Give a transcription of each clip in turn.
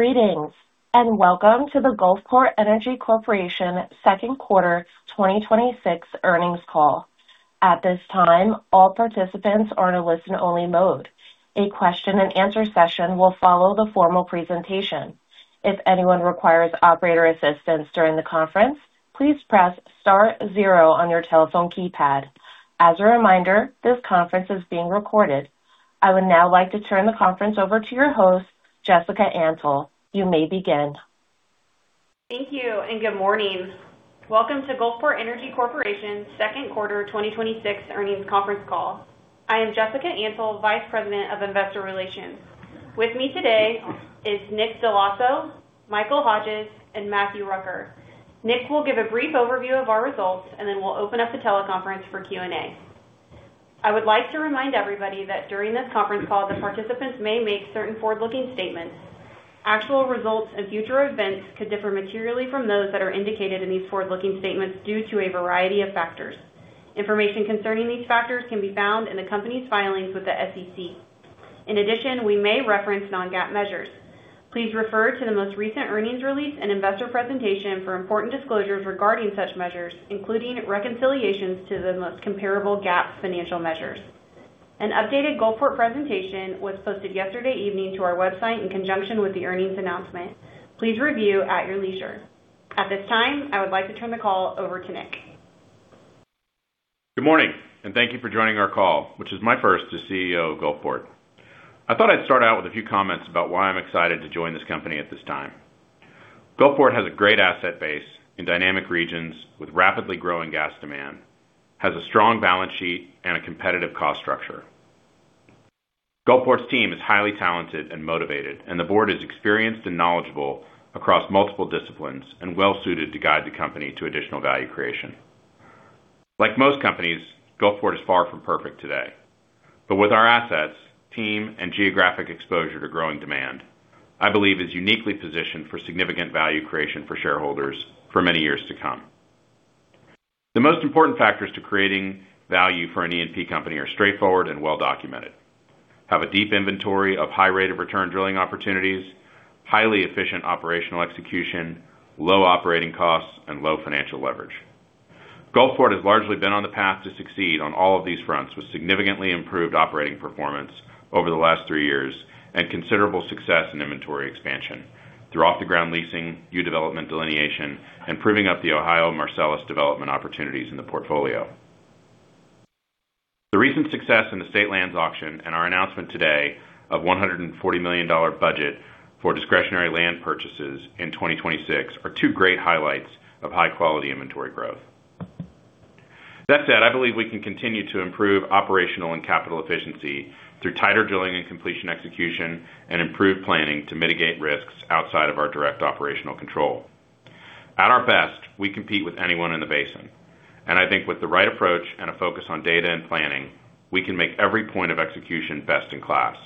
Greetings, and welcome to the Gulfport Energy Corporation Second Quarter 2026 Earnings Call. At this time, all participants are in a listen-only mode. A question and answer session will follow the formal presentation. If anyone requires operator assistance during the conference, please press star zero on your telephone keypad. As a reminder, this conference is being recorded. I would now like to turn the conference over to your host, Jessica Antle. You may begin. Thank you, good morning. Welcome to Gulfport Energy Corporation's second quarter 2026 earnings conference call. I am Jessica Antle, Vice President of Investor Relations. With me today is Nick Dell'Osso, Michael Hodges, and Matthew Rucker. Then we'll open up the teleconference for Q&A. I would like to remind everybody that during this conference call, the participants may make certain forward-looking statements. Actual results and future events could differ materially from those that are indicated in these forward-looking statements due to a variety of factors. Information concerning these factors can be found in the company's filings with the SEC. We may reference non-GAAP measures. Please refer to the most recent earnings release and investor presentation for important disclosures regarding such measures, including reconciliations to the most comparable GAAP financial measures. An updated Gulfport presentation was posted yesterday evening to our website in conjunction with the earnings announcement. Please review at your leisure. At this time, I would like to turn the call over to Nick. Good morning, thank you for joining our call, which is my first as CEO of Gulfport. I thought I'd start out with a few comments about why I'm excited to join this company at this time. Gulfport has a great asset base in dynamic regions with rapidly growing gas demand, has a strong balance sheet, and a competitive cost structure. Gulfport's team is highly talented and motivated, the board is experienced and knowledgeable across multiple disciplines and well-suited to guide the company to additional value creation. Like most companies, Gulfport is far from perfect today. With our assets, team, and geographic exposure to growing demand, I believe is uniquely positioned for significant value creation for shareholders for many years to come. The most important factors to creating value for an E&P company are straightforward and well documented. Have a deep inventory of high rate of return drilling opportunities, highly efficient operational execution, low operating costs, and low financial leverage. Gulfport has largely been on the path to succeed on all of these fronts, with significantly improved operating performance over the last three years and considerable success in inventory expansion through off the ground leasing, new development delineation, and proving up the Ohio Marcellus development opportunities in the portfolio. The recent success in the state lands auction and our announcement today of $140 million budget for discretionary land purchases in 2026 are two great highlights of high-quality inventory growth. That said, I believe we can continue to improve operational and capital efficiency through tighter drilling and completion execution, and improved planning to mitigate risks outside of our direct operational control. At our best, we compete with anyone in the basin. I think with the right approach and a focus on data and planning, we can make every point of execution best in class.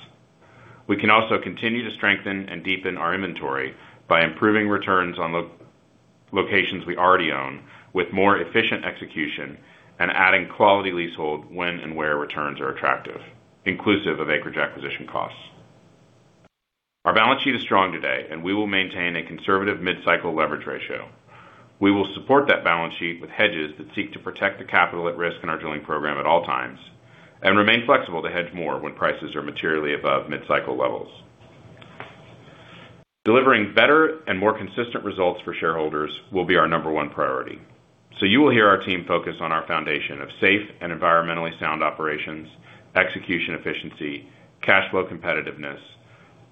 We can also continue to strengthen and deepen our inventory by improving returns on locations we already own with more efficient execution and adding quality leasehold when and where returns are attractive, inclusive of acreage acquisition costs. Our balance sheet is strong today, and we will maintain a conservative mid-cycle leverage ratio. We will support that balance sheet with hedges that seek to protect the capital at risk in our drilling program at all times and remain flexible to hedge more when prices are materially above mid-cycle levels. Delivering better and more consistent results for shareholders will be our number one priority. You will hear our team focus on our foundation of safe and environmentally sound operations, execution efficiency, cash flow competitiveness,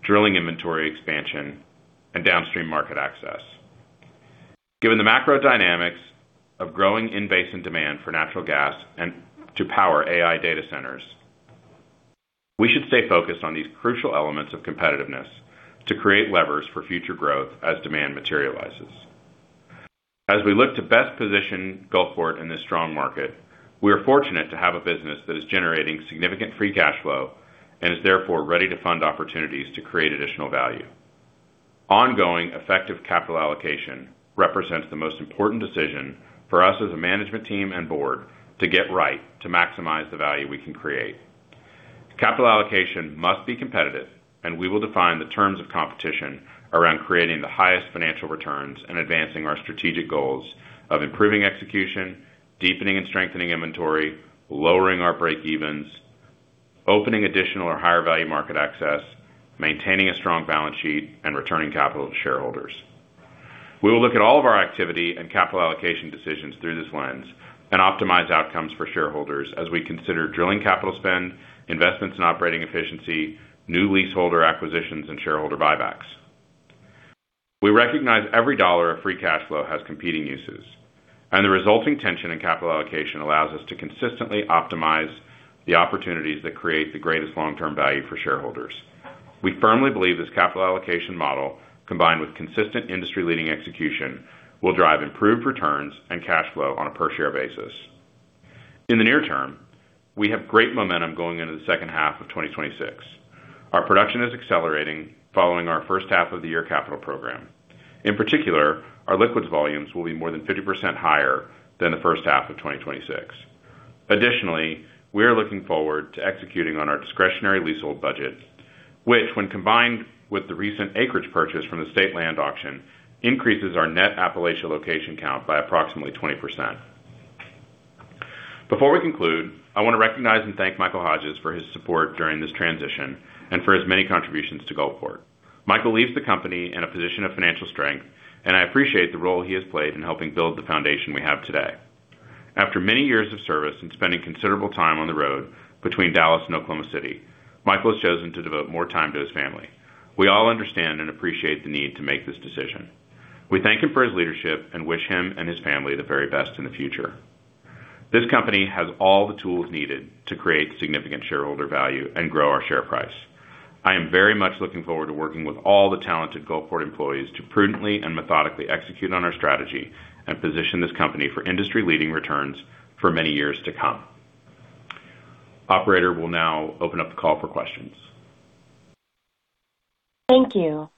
drilling inventory expansion, and downstream market access. Given the macro dynamics of growing in-basin demand for natural gas and to power AI data centers, we should stay focused on these crucial elements of competitiveness to create levers for future growth as demand materializes. As we look to best position Gulfport in this strong market, we are fortunate to have a business that is generating significant free cash flow and is therefore ready to fund opportunities to create additional value. Ongoing effective capital allocation represents the most important decision for us as a management team and board to get right to maximize the value we can create. Capital allocation must be competitive. We will define the terms of competition around creating the highest financial returns and advancing our strategic goals of improving execution, deepening and strengthening inventory, lowering our breakevens, opening additional or higher value market access, maintaining a strong balance sheet, and returning capital to shareholders. We will look at all of our activity and capital allocation decisions through this lens and optimize outcomes for shareholders as we consider drilling capital spend, investments in operating efficiency, new leaseholder acquisitions, and shareholder buybacks. We recognize every dollar of free cash flow has competing uses. The resulting tension in capital allocation allows us to consistently optimize the opportunities that create the greatest long-term value for shareholders. We firmly believe this capital allocation model, combined with consistent industry-leading execution, will drive improved returns and cash flow on a per-share basis. In the near term, we have great momentum going into the second half of 2026. Our production is accelerating following our first half of the year capital program. In particular, our liquids volumes will be more than 50% higher than the first half of 2026. Additionally, we are looking forward to executing on our discretionary leasehold budget, which when combined with the recent acreage purchase from the state land auction, increases our net Appalachia location count by approximately 20%. Before we conclude, I want to recognize and thank Michael Hodges for his support during this transition and for his many contributions to Gulfport. Michael leaves the company in a position of financial strength, and I appreciate the role he has played in helping build the foundation we have today. After many years of service and spending considerable time on the road between Dallas and Oklahoma City, Michael has chosen to devote more time to his family. We all understand and appreciate the need to make this decision. We thank him for his leadership and wish him and his family the very best in the future. This company has all the tools needed to create significant shareholder value and grow our share price. I am very much looking forward to working with all the talented Gulfport employees to prudently and methodically execute on our strategy and position this company for industry-leading returns for many years to come. Operator will now open up the call for questions. Thank you.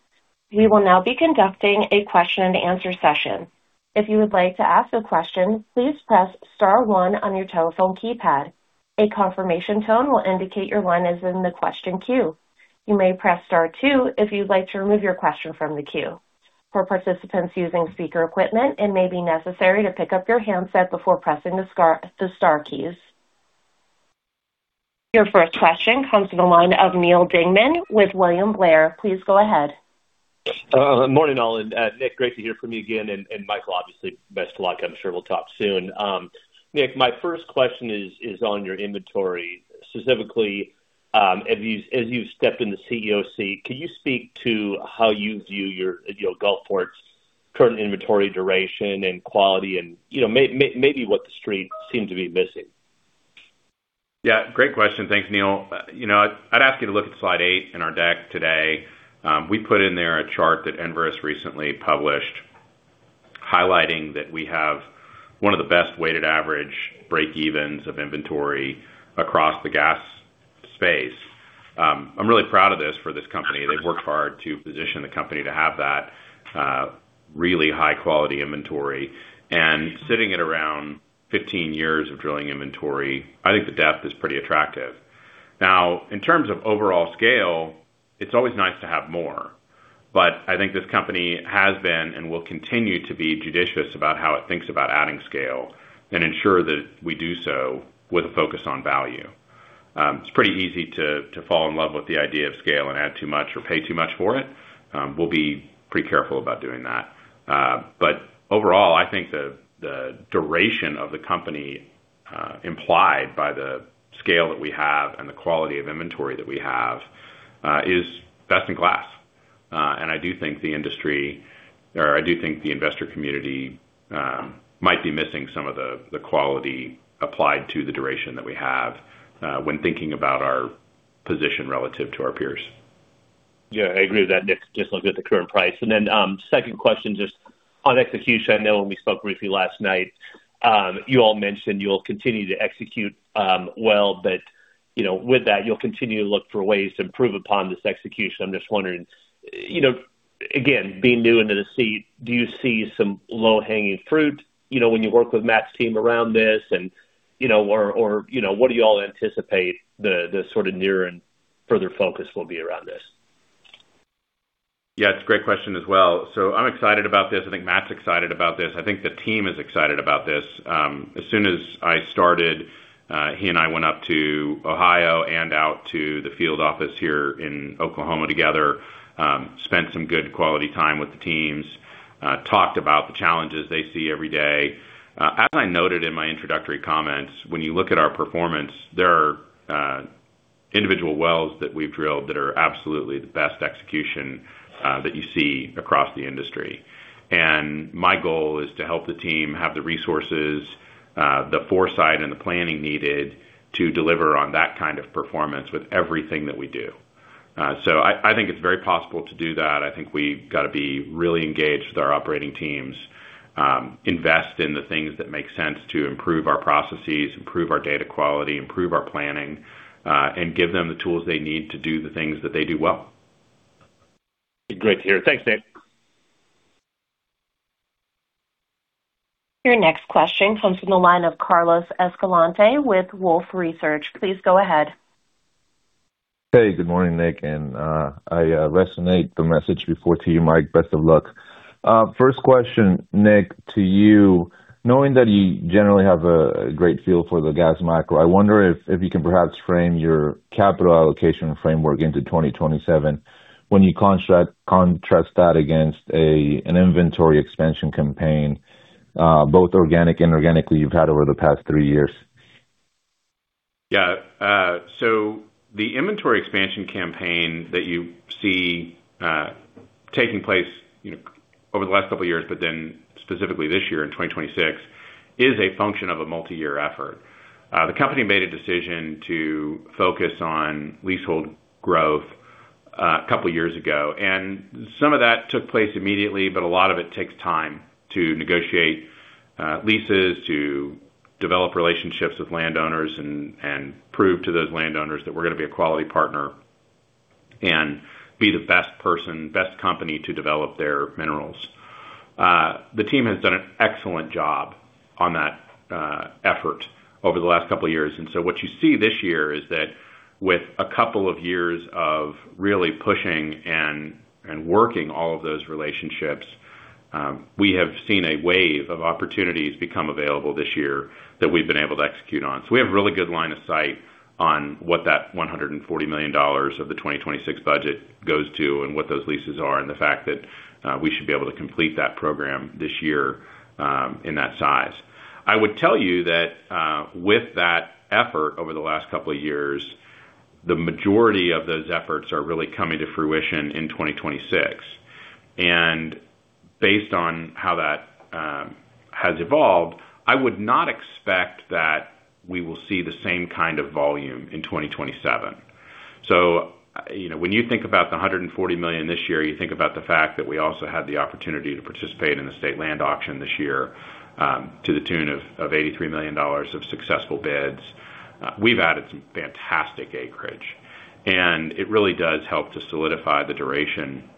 We will now be conducting a question and answer session. If you would like to ask a question, please press star one on your telephone keypad. A confirmation tone will indicate your line is in the question queue. You may press star two if you'd like to remove your question from the queue. For participants using speaker equipment, it may be necessary to pick up your handset before pressing the star keys. Your first question comes from the line of Neal Dingmann with William Blair. Please go ahead. Morning all, and Nick, great to hear from you again, and Michael, obviously best of luck. I'm sure we'll talk soon. Nick, my first question is on your inventory, specifically, as you step into CEO seat, can you speak to how you view Gulfport's current inventory duration and quality and maybe what the street seems to be missing? Yeah, great question. Thanks, Neal. I'd ask you to look at slide eight in our deck today. We put in there a chart that Enverus recently published highlighting that we have one of the best weighted average breakevens of inventory across the gas space. I'm really proud of this for this company. They've worked hard to position the company to have that really high-quality inventory and sitting at around 15 years of drilling inventory. I think the depth is pretty attractive. In terms of overall scale, it's always nice to have more, but I think this company has been and will continue to be judicious about how it thinks about adding scale and ensure that we do so with a focus on value. It's pretty easy to fall in love with the idea of scale and add too much or pay too much for it. We'll be pretty careful about doing that. Overall, I think the duration of the company, implied by the scale that we have and the quality of inventory that we have, is best in class. I do think the investor community might be missing some of the quality applied to the duration that we have, when thinking about our position relative to our peers. Yeah, I agree with that, Nick. Just looking at the current price. Then, second question, just on execution. I know when we spoke briefly last night, you all mentioned you'll continue to execute well, but with that, you'll continue to look for ways to improve upon this execution. I'm just wondering, again, being new into the seat, do you see some low-hanging fruit when you work with Matt's team around this? What do you all anticipate the sort of near and further focus will be around this? Yeah, it's a great question as well. I'm excited about this. I think Matt's excited about this. I think the team is excited about this. As soon as I started, he and I went up to Ohio and out to the field office here in Oklahoma together. Spent some good quality time with the teams, talked about the challenges they see every day. As I noted in my introductory comments, when you look at our performance, there are individual wells that we've drilled that are absolutely the best execution that you see across the industry. My goal is to help the team have the resources, the foresight, and the planning needed to deliver on that kind of performance with everything that we do. I think it's very possible to do that. I think we've got to be really engaged with our operating teams, invest in the things that make sense to improve our processes, improve our data quality, improve our planning, and give them the tools they need to do the things that they do well. Great to hear. Thanks, Nick. Your next question comes from the line of Carlos Escalante with Wolfe Research. Please go ahead. Hey, good morning, Nick, I resonate the message before to you, Mike, best of luck. First question, Nick, to you. Knowing that you generally have a great feel for the gas macro, I wonder if you can perhaps frame your capital allocation framework into 2027 when you contrast that against an inventory expansion campaign, both organic and inorganically you've had over the past three years. The inventory expansion campaign that you see taking place over the last couple of years, specifically this year in 2026, is a function of a multi-year effort. The company made a decision to focus on leasehold growth a couple of years ago, and some of that took place immediately, but a lot of it takes time to negotiate leases, to develop relationships with landowners and prove to those landowners that we're going to be a quality partner. Be the best person, best company to develop their minerals. The team has done an excellent job on that effort over the last couple of years. What you see this year is that with a couple of years of really pushing and working all of those relationships, we have seen a wave of opportunities become available this year that we've been able to execute on. We have a really good line of sight on what that $140 million of the 2026 budget goes to and what those leases are, and the fact that we should be able to complete that program this year in that size. I would tell you that with that effort over the last couple of years, the majority of those efforts are really coming to fruition in 2026. Based on how that has evolved, I would not expect that we will see the same kind of volume in 2027. When you think about the $140 million this year, you think about the fact that we also had the opportunity to participate in the state land auction this year, to the tune of $83 million of successful bids. We've added some fantastic acreage. It really does help to solidify the duration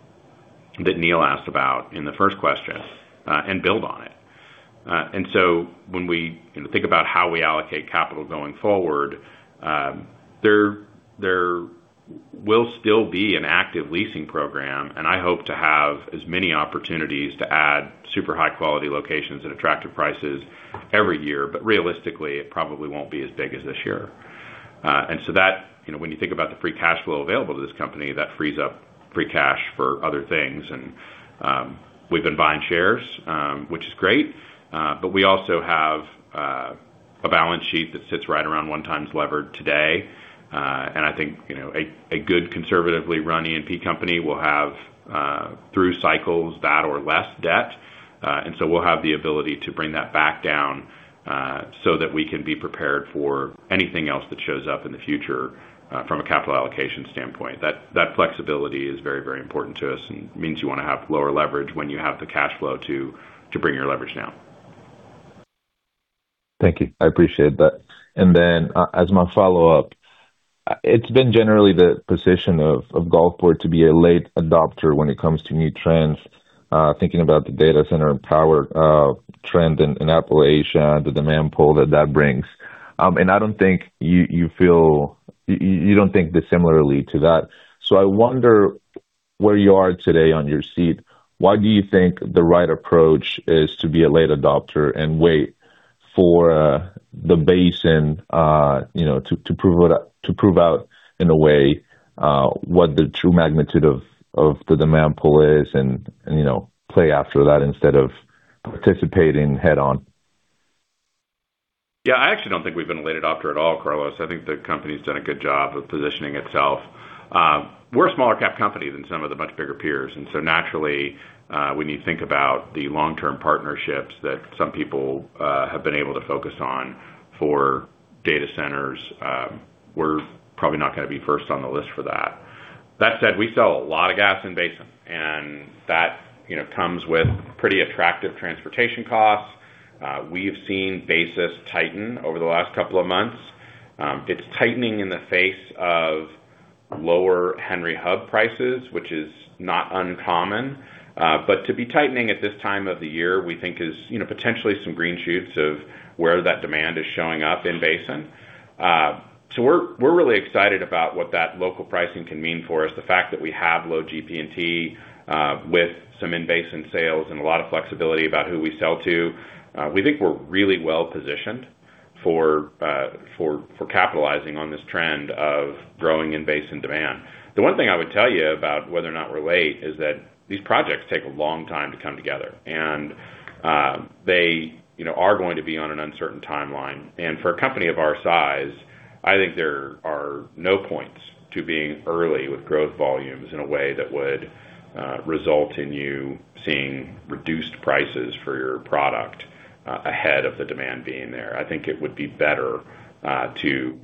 that Neal asked about in the first question. Build on it. When we think about how we allocate capital going forward, there will still be an active leasing program, and I hope to have as many opportunities to add super high-quality locations at attractive prices every year. Realistically, it probably won't be as big as this year. That, when you think about the free cash flow available to this company, that frees up free cash for other things. We've been buying shares, which is great. We also have a balance sheet that sits right around 1x levered today. I think, a good conservatively run E&P company will have, through cycles, that or less debt. We'll have the ability to bring that back down, so that we can be prepared for anything else that shows up in the future from a capital allocation standpoint. That flexibility is very, very important to us and means you want to have lower leverage when you have the cash flow to bring your leverage down. Thank you. I appreciate that. As my follow-up, it's been generally the position of Gulfport to be a late adopter when it comes to new trends, thinking about the data center and power trend in Appalachia and the demand pull that that brings. I don't think you don't think similarly to that. I wonder where you are today on your seat. Why do you think the right approach is to be a late adopter and wait for the basin to prove out in a way what the true magnitude of the demand pull is and play after that instead of participating head-on? Yeah, I actually don't think we've been a late adopter at all, Carlos. I think the company's done a good job of positioning itself. We're a smaller cap company than some of the much bigger peers. Naturally, when you think about the long-term partnerships that some people have been able to focus on for data centers, we're probably not going to be first on the list for that. That said, we sell a lot of gas in Basin, and that comes with pretty attractive transportation costs. We've seen basis tighten over the last couple of months. It's tightening in the face of lower Henry Hub prices, which is not uncommon. To be tightening at this time of the year, we think is potentially some green shoots of where that demand is showing up in Basin. We're really excited about what that local pricing can mean for us. The fact that we have low GP&T with some in-basin sales and a lot of flexibility about who we sell to. We think we're really well-positioned for capitalizing on this trend of growing in-basin demand. The one thing I would tell you about whether or not we're late is that these projects take a long time to come together, and they are going to be on an uncertain timeline. For a company of our size, I think there are no points to being early with growth volumes in a way that would result in you seeing reduced prices for your product ahead of the demand being there. I think it would be better to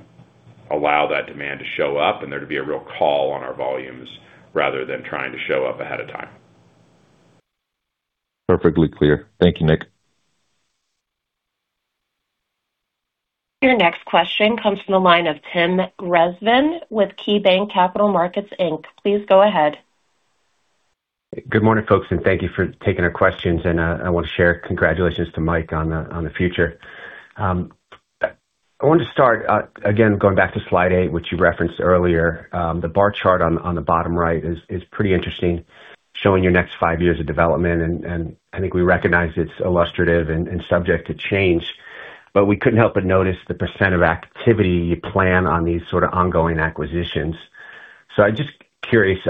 allow that demand to show up and there to be a real call on our volumes rather than trying to show up ahead of time. Perfectly clear. Thank you, Nick. Your next question comes from the line of Tim Rezvan with KeyBanc Capital Markets Inc. Please go ahead. Good morning, folks, and thank you for taking our questions. I want to share congratulations to Mike on the future. I wanted to start, again, going back to slide eight, which you referenced earlier. The bar chart on the bottom right is pretty interesting, showing your next five years of development. I think we recognize it's illustrative and subject to change, but we couldn't help but notice the percent of activity you plan on these sort of ongoing acquisitions. I'm just curious,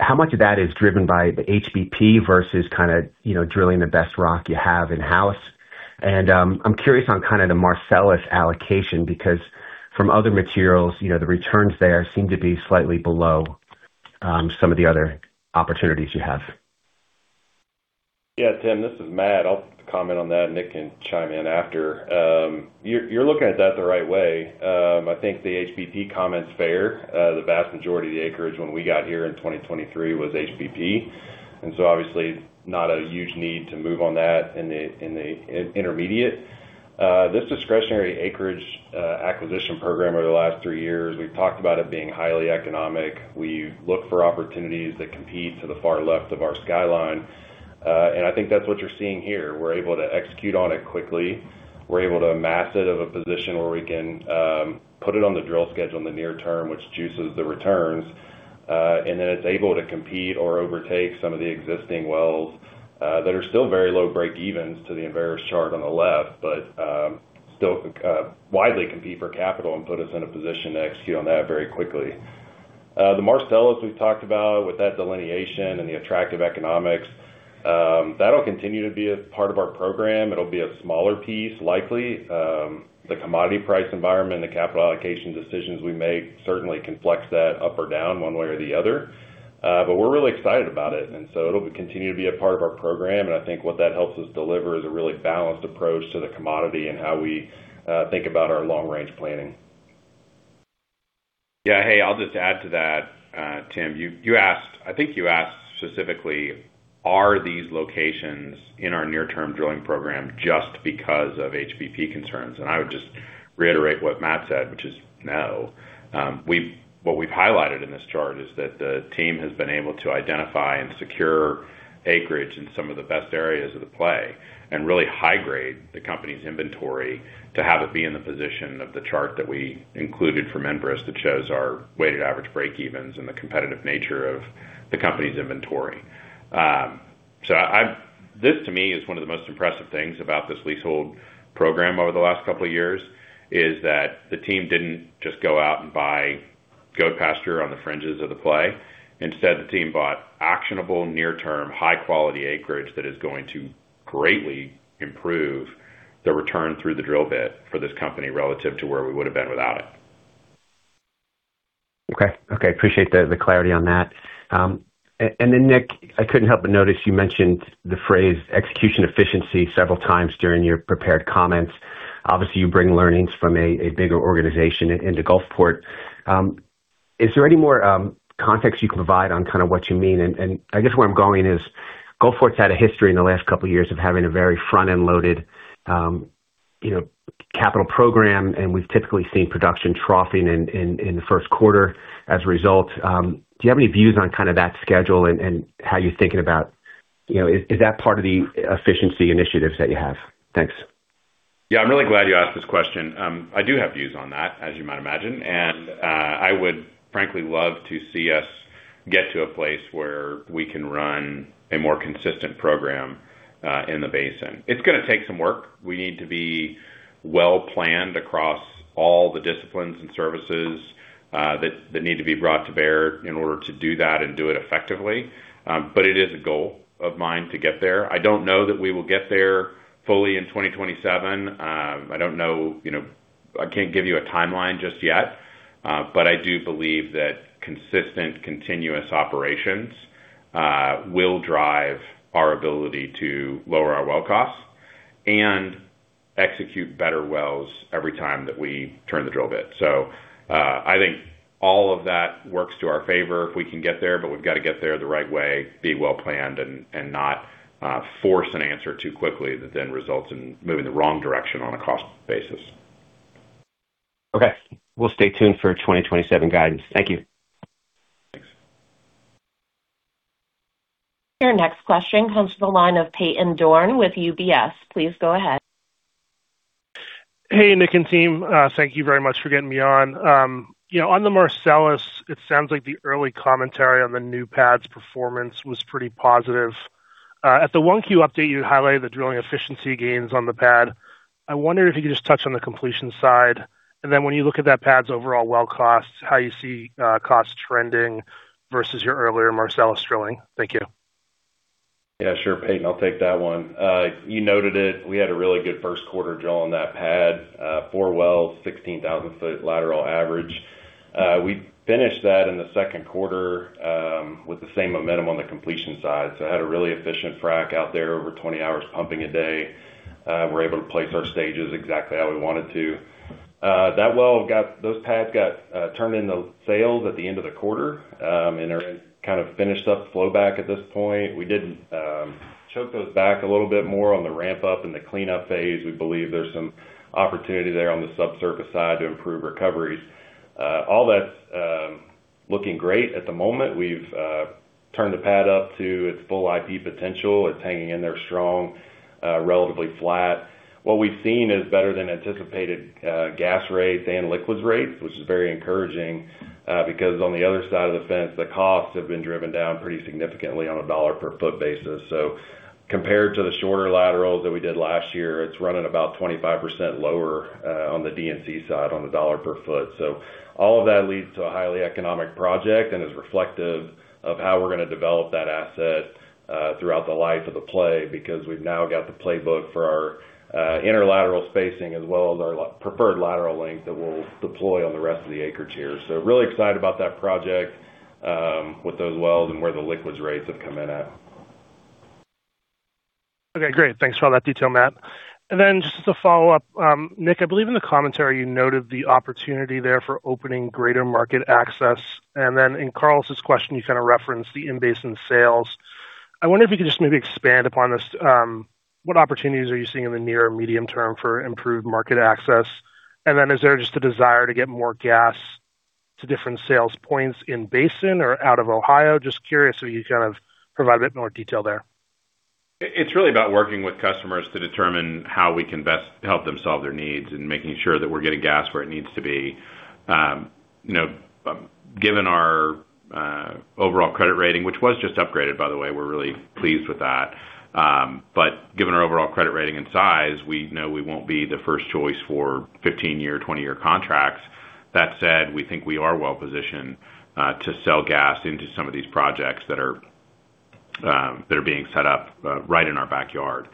how much of that is driven by the HBP versus kind of drilling the best rock you have in-house? I'm curious on kind of the Marcellus allocation, because from other materials, the returns there seem to be slightly below some of the other opportunities you have. Yeah, Tim, this is Matt. I'll comment on that. Nick can chime in after. You're looking at that the right way. I think the HBP comment's fair. The vast majority of the acreage when we got here in 2023 was HBP. Obviously not a huge need to move on that in the intermediate. This discretionary acreage acquisition program over the last three years, we've talked about it being highly economic. We look for opportunities that compete to the far left of our skyline. I think that's what you're seeing here. We're able to execute on it quickly. We're able to amass it of a position where we can put it on the drill schedule in the near term, which juices the returns. It's able to compete or overtake some of the existing wells that are still very low break evens to the Enverus chart on the left, still widely compete for capital and put us in a position to execute on that very quickly. The Marcellus we've talked about with that delineation and the attractive economics, that'll continue to be a part of our program. It'll be a smaller piece, likely. The commodity price environment, the capital allocation decisions we make certainly can flex that up or down one way or the other. We're really excited about it. It'll continue to be a part of our program, and I think what that helps us deliver is a really balanced approach to the commodity and how we think about our long-range planning. Yeah. Hey, I'll just add to that. Tim, I think you asked specifically, are these locations in our near-term drilling program just because of HBP concerns? I would just reiterate what Matt said, which is no. What we've highlighted in this chart is that the team has been able to identify and secure acreage in some of the best areas of the play and really high grade the company's inventory to have it be in the position of the chart that we included from Enverus that shows our weighted average break evens and the competitive nature of the company's inventory. This to me is one of the most impressive things about this leasehold program over the last couple of years, is that the team didn't just go out and buy goat pasture on the fringes of the play. Instead, the team bought actionable near-term, high-quality acreage that is going to greatly improve the return through the drill bit for this company relative to where we would have been without it. Okay. Appreciate the clarity on that. Nick, I couldn't help but notice you mentioned the phrase execution efficiency several times during your prepared comments. Obviously, you bring learnings from a bigger organization into Gulfport. Is there any more context you can provide on what you mean? I guess where I'm going is Gulfport's had a history in the last couple of years of having a very front-end loaded capital program, and we've typically seen production troughing in the first quarter as a result. Do you have any views on that schedule and how you're thinking about, is that part of the efficiency initiatives that you have? Thanks. Yeah, I'm really glad you asked this question. I do have views on that, as you might imagine. I would frankly love to see us get to a place where we can run a more consistent program in the basin. It's going to take some work. We need to be well-planned across all the disciplines and services that need to be brought to bear in order to do that and do it effectively. It is a goal of mine to get there. I don't know that we will get there fully in 2027. I can't give you a timeline just yet. I do believe that consistent, continuous operations will drive our ability to lower our well costs and execute better wells every time that we turn the drill bit. I think all of that works to our favor if we can get there, but we've got to get there the right way, be well-planned, and not force an answer too quickly that then results in moving the wrong direction on a cost basis. Okay. We'll stay tuned for 2027 guidance. Thank you. Thanks. Your next question comes to the line of Peyton Dorne with UBS. Please go ahead. Hey, Nick and team. Thank you very much for getting me on. On the Marcellus, it sounds like the early commentary on the new pad's performance was pretty positive. At the 1Q update, you highlighted the drilling efficiency gains on the pad. I wonder if you could just touch on the completion side, and then when you look at that pad's overall well cost, how you see costs trending versus your earlier Marcellus drilling. Thank you. Yeah, sure, Peyton. I'll take that one. You noted it. We had a really good first quarter drill on that pad. Four wells, 16,000 ft lateral average. We finished that in the second quarter with the same momentum on the completion side. It had a really efficient frack out there, over 20 hours pumping a day. We're able to place our stages exactly how we wanted to. Those pads got turned into sales at the end of the quarter, are in finished up flow back at this point. We did choke those back a little bit more on the ramp-up and the cleanup phase. We believe there's some opportunity there on the subsurface side to improve recoveries. All that's looking great at the moment. We've turned the pad up to its full IP potential. It's hanging in there strong, relatively flat. What we've seen is better than anticipated gas rates and liquids rates, which is very encouraging. On the other side of the fence, the costs have been driven down pretty significantly on a dollar per foot basis. Compared to the shorter laterals that we did last year, it's running about 25% lower on the D&C side on the dollar per foot. All of that leads to a highly economic project, is reflective of how we're going to develop that asset throughout the life of the play, because we've now got the playbook for our interlateral spacing as well as our preferred lateral length that we'll deploy on the rest of the acreage here. Really excited about that project with those wells and where the liquids rates have come in at. Okay, great. Thanks for all that detail, Matt. Just as a follow-up. Nick, I believe in the commentary you noted the opportunity there for opening greater market access. In Carlos's question, you referenced the in-basin sales. I wonder if you could just maybe expand upon this. What opportunities are you seeing in the near or medium term for improved market access? Is there just a desire to get more gas? To different sales points in basin or out of Ohio. Just curious if you can provide a bit more detail there. It's really about working with customers to determine how we can best help them solve their needs and making sure that we're getting gas where it needs to be. Given our overall credit rating, which was just upgraded, by the way, we're really pleased with that. Given our overall credit rating and size, we know we won't be the first choice for 15-20 year contracts. That said, we think we are well-positioned to sell gas into some of these projects that are being set up right in our backyard.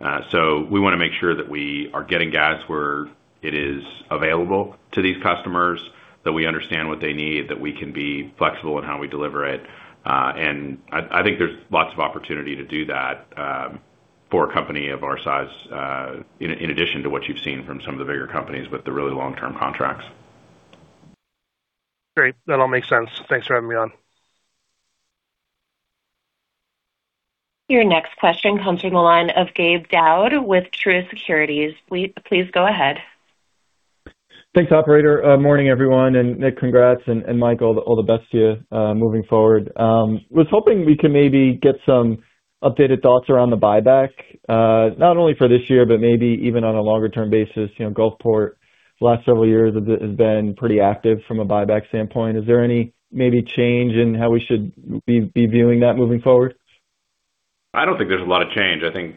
We want to make sure that we are getting gas where it is available to these customers, that we understand what they need, that we can be flexible in how we deliver it. I think there's lots of opportunity to do that for a company of our size, in addition to what you've seen from some of the bigger companies with the really long-term contracts. Great. That all makes sense. Thanks for having me on. Your next question comes from the line of Gabe Daoud with Truist Securities. Please go ahead. Thanks, operator. Morning, everyone. Nick, congrats. Mike, all the best to you moving forward. Was hoping we could maybe get some updated thoughts around the buyback, not only for this year, but maybe even on a longer-term basis. Gulfport, last several years, has been pretty active from a buyback standpoint. Is there any maybe change in how we should be viewing that moving forward? I don't think there's a lot of change. I think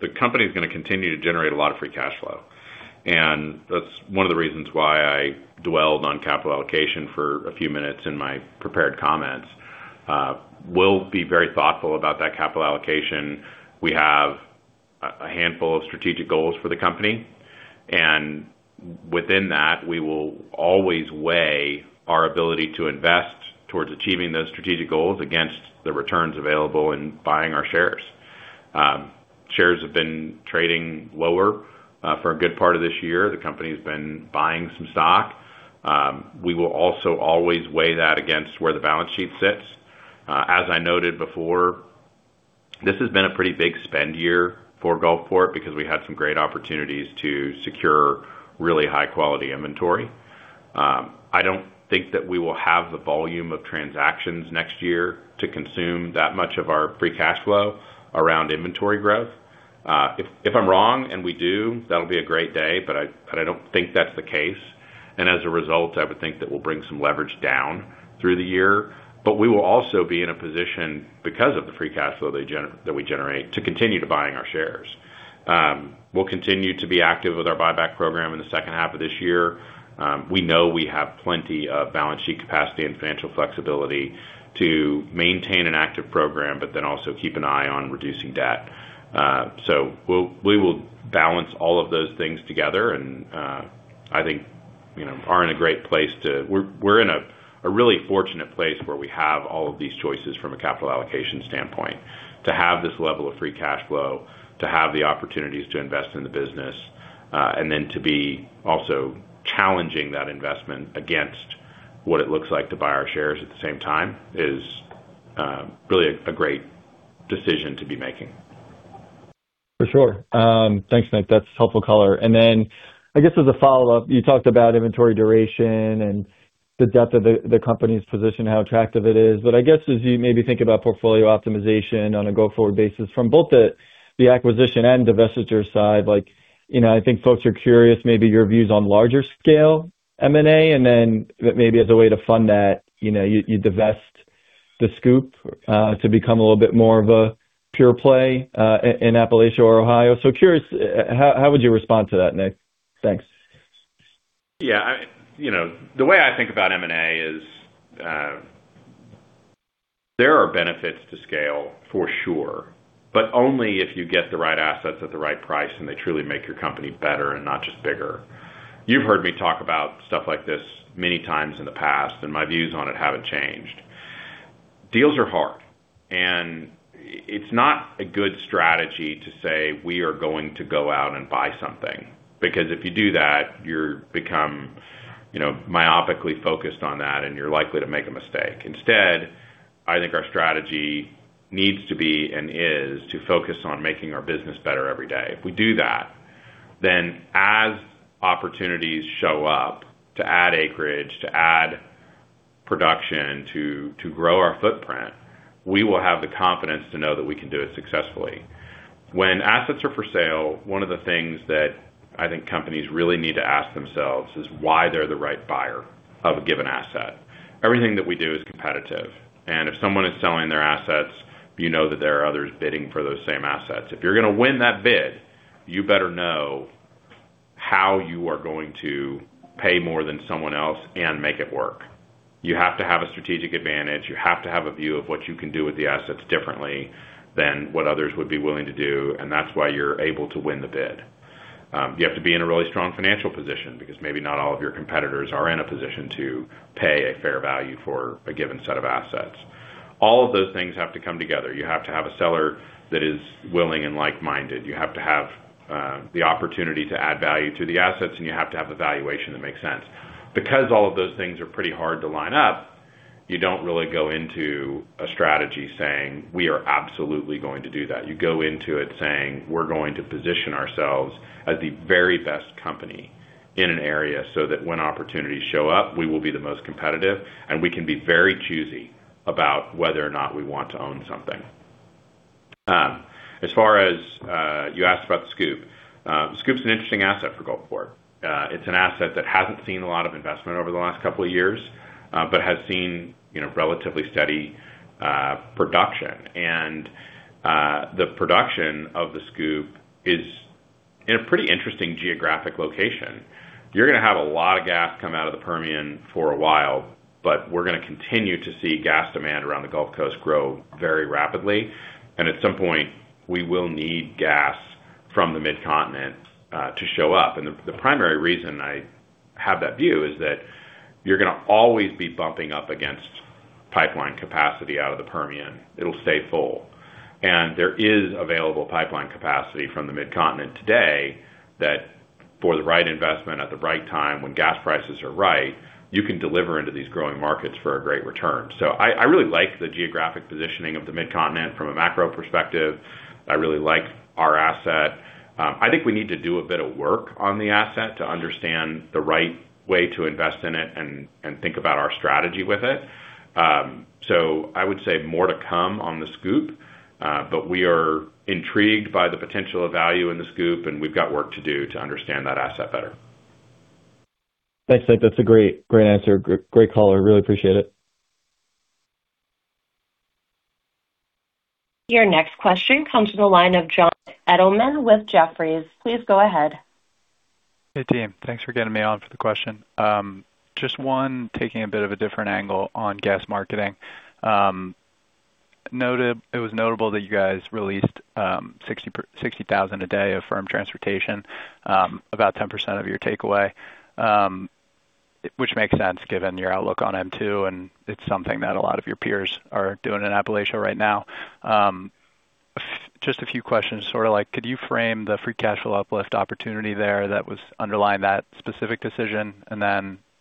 the company's going to continue to generate a lot of free cash flow. That's one of the reasons why I dwelled on capital allocation for a few minutes in my prepared comments. We'll be very thoughtful about that capital allocation. We have a handful of strategic goals for the company, and within that, we will always weigh our ability to invest towards achieving those strategic goals against the returns available in buying our shares. Shares have been trading lower for a good part of this year. The company's been buying some stock. We will also always weigh that against where the balance sheet sits. As I noted before, this has been a pretty big spend year for Gulfport because we had some great opportunities to secure really high-quality inventory. I don't think that we will have the volume of transactions next year to consume that much of our free cash flow around inventory growth. If I'm wrong and we do, that'll be a great day, but I don't think that's the case. As a result, I would think that we'll bring some leverage down through the year. We will also be in a position, because of the free cash flow that we generate, to continue to buying our shares. We'll continue to be active with our buyback program in the second half of this year. We know we have plenty of balance sheet capacity and financial flexibility to maintain an active program, but then also keep an eye on reducing debt. We will balance all of those things together, and I think we're in a really fortunate place where we have all of these choices from a capital allocation standpoint. To have this level of free cash flow, to have the opportunities to invest in the business, and then to be also challenging that investment against what it looks like to buy our shares at the same time is really a great decision to be making. For sure. Thanks, Nick. Then I guess as a follow-up, you talked about inventory duration and the depth of the company's position, how attractive it is. I guess as you maybe think about portfolio optimization on a go-forward basis from both the acquisition and divestiture side, I think folks are curious maybe your views on larger scale M&A, and then maybe as a way to fund that, you divest the SCOOP to become a little bit more of a pure play in Appalachia or Ohio. Curious, how would you respond to that, Nick? Thanks. Yeah. The way I think about M&A is, there are benefits to scale for sure, but only if you get the right assets at the right price, and they truly make your company better and not just bigger. You've heard me talk about stuff like this many times in the past, and my views on it haven't changed. Deals are hard, and it's not a good strategy to say, "We are going to go out and buy something," because if you do that, you become myopically focused on that, and you're likely to make a mistake. Instead, I think our strategy needs to be and is to focus on making our business better every day. If we do that, then as opportunities show up to add acreage, to add production, to grow our footprint, we will have the confidence to know that we can do it successfully. When assets are for sale, one of the things that I think companies really need to ask themselves is why they're the right buyer of a given asset. Everything that we do is competitive, and if someone is selling their assets, you know that there are others bidding for those same assets. If you're going to win that bid, you better know how you are going to pay more than someone else and make it work. You have to have a strategic advantage. You have to have a view of what you can do with the assets differently than what others would be willing to do, and that's why you're able to win the bid. You have to be in a really strong financial position because maybe not all of your competitors are in a position to pay a fair value for a given set of assets. All of those things have to come together. You have to have a seller that is willing and like-minded. You have to have the opportunity to add value to the assets, and you have to have a valuation that makes sense. Because all of those things are pretty hard to line up. You don't really go into a strategy saying, "We are absolutely going to do that." You go into it saying, "We're going to position ourselves as the very best company in an area, so that when opportunities show up, we will be the most competitive, and we can be very choosy about whether or not we want to own something." As far as you asked about the SCOOP. SCOOP's an interesting asset for Gulfport. It's an asset that hasn't seen a lot of investment over the last couple of years, but has seen relatively steady production. The production of the SCOOP is in a pretty interesting geographic location. You're gonna have a lot of gas come out of the Permian for a while, we're gonna continue to see gas demand around the Gulf Coast grow very rapidly. At some point, we will need gas from the Mid-Continent to show up. The primary reason I have that view is that you're gonna always be bumping up against pipeline capacity out of the Permian. It'll stay full. There is available pipeline capacity from the Mid-Continent today, that for the right investment at the right time, when gas prices are right, you can deliver into these growing markets for a great return. I really like the geographic positioning of the Mid-Continent from a macro perspective. I really like our asset. I think we need to do a bit of work on the asset to understand the right way to invest in it and think about our strategy with it. I would say more to come on the SCOOP. We are intrigued by the potential of value in the SCOOP, and we've got work to do to understand that asset better. Thanks, Nick. That's a great answer. Great color. Really appreciate it. Your next question comes from the line of John Edelman with Jefferies. Please go ahead. Hey, team. Thanks for getting me on for the question. Just one, taking a bit of a different angle on gas marketing. It was notable that you guys released 60,000 a day of firm transportation, about 10% of your takeaway, which makes sense given your outlook on M2, and it's something that a lot of your peers are doing in Appalachia right now. Just a few questions, could you frame the free cash flow uplift opportunity there that was underlying that specific decision?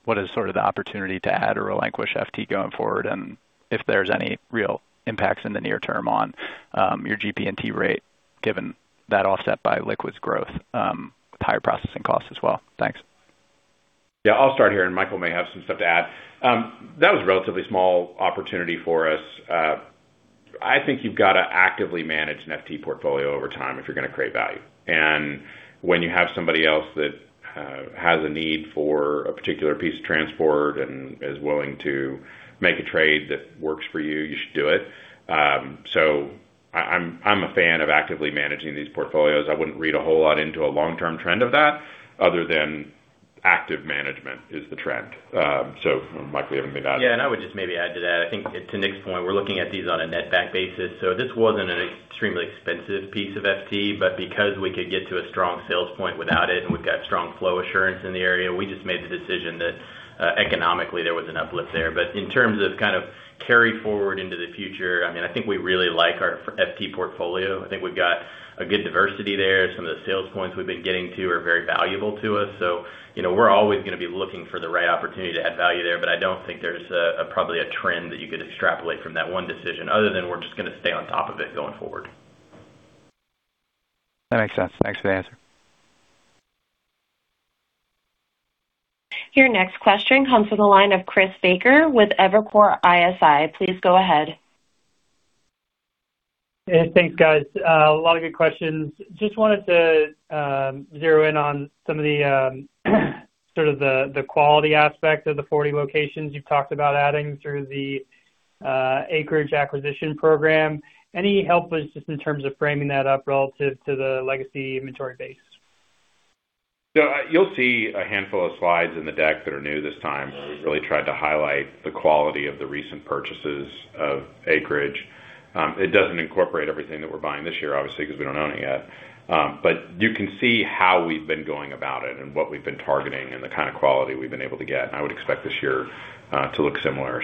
What is the opportunity to add or relinquish FT going forward, and if there's any real impacts in the near term on your GP&T rate, given that offset by liquids growth, with higher processing costs as well? Thanks. Yeah, I'll start here, and Michael may have some stuff to add. That was a relatively small opportunity for us. I think you've got to actively manage an FT portfolio over time if you're gonna create value. When you have somebody else that has a need for a particular piece of transport and is willing to make a trade that works for you should do it. I'm a fan of actively managing these portfolios. I wouldn't read a whole lot into a long-term trend of that, other than active management is the trend. Michael, you have anything to add? Yeah, I would just maybe add to that. I think to Nick's point, we're looking at these on a net back basis. This wasn't an extremely expensive piece of FT, but because we could get to a strong sales point without it, and we've got strong flow assurance in the area, we just made the decision that economically, there was an uplift there. In terms of carry forward into the future, I think we really like our FT portfolio. I think we've got a good diversity there. Some of the sales points we've been getting to are very valuable to us. We're always gonna be looking for the right opportunity to add value there, but I don't think there's probably a trend that you could extrapolate from that one decision, other than we're just gonna stay on top of it going forward. That makes sense. Thanks for the answer. Your next question comes from the line of Chris Baker with Evercore ISI. Please go ahead. Hey, thanks, guys. A lot of good questions. Just wanted to zero in on some of the quality aspects of the 40 locations you've talked about adding through the acreage acquisition program. Any help with just in terms of framing that up relative to the legacy inventory base? You'll see a handful of slides in the deck that are new this time. We really tried to highlight the quality of the recent purchases of acreage. It doesn't incorporate everything that we're buying this year, obviously, because we don't own it yet. You can see how we've been going about it, and what we've been targeting, and the kind of quality we've been able to get, and I would expect this year to look similar.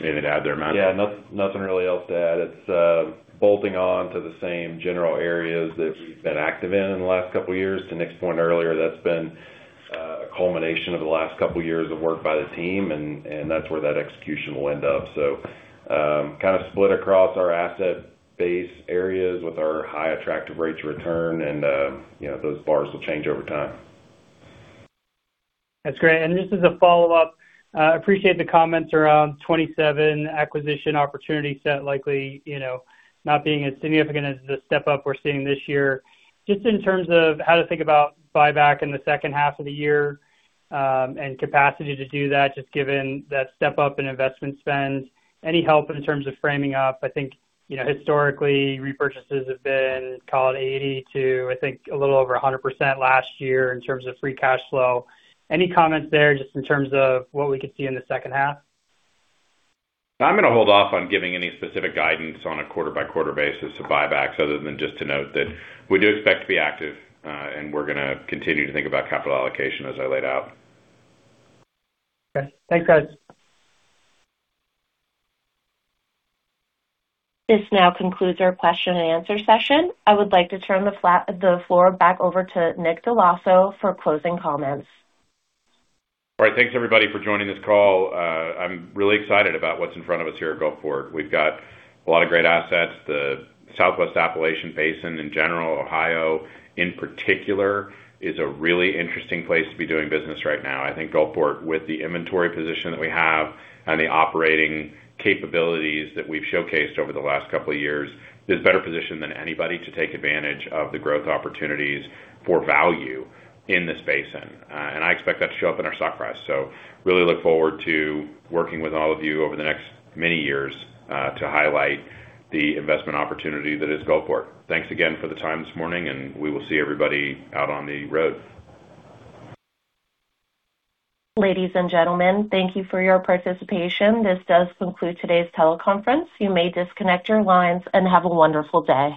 Anything to add there, Matt? Yeah, nothing really else to add. It's bolting on to the same general areas that we've been active in in the last couple of years. To Nick's point earlier, that's been a culmination of the last couple years of work by the team, and that's where that execution will end up. Split across our asset base areas with our high attractive rates of return and those bars will change over time. Just as a follow-up, I appreciate the comments around 2027 acquisition opportunity set likely not being as significant as the step-up we're seeing this year. Just in terms of how to think about buyback in the second half of the year, and capacity to do that, just given that step-up in investment spend, any help in terms of framing up? I think historically, repurchases have been, call it 80% to, I think, a little over 100% last year in terms of free cash flow. Any comments there just in terms of what we could see in the second half? I'm gonna hold off on giving any specific guidance on a quarter-by-quarter basis to buybacks, other than just to note that we do expect to be active, and we're gonna continue to think about capital allocation as I laid out. Okay. Thanks, guys. This now concludes our question and answer session. I would like to turn the floor back over to Nick Dell'Osso for closing comments. All right. Thanks everybody for joining this call. I'm really excited about what's in front of us here at Gulfport. We've got a lot of great assets. The Southwest Appalachian Basin in general, Ohio in particular, is a really interesting place to be doing business right now. I think Gulfport, with the inventory position that we have and the operating capabilities that we've showcased over the last couple of years, is better positioned than anybody to take advantage of the growth opportunities for value in this basin. I expect that to show up in our stock price. Really look forward to working with all of you over the next many years, to highlight the investment opportunity that is Gulfport. Thanks again for the time this morning, and we will see everybody out on the road. Ladies and gentlemen, thank you for your participation. This does conclude today's teleconference. You may disconnect your lines. Have a wonderful day.